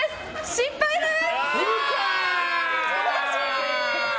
失敗です！